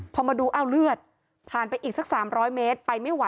พอมาดูอ้าวเลือดผ่านไปอีกสัก๓๐๐เมตรไปไม่ไหว